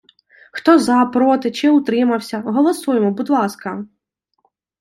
Хто за, проти чи утримався, голосуємо, будь ласка!